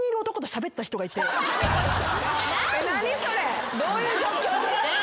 何それどういう状況？